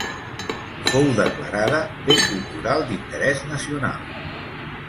Fou declarada Bé Cultural d'Interès Nacional.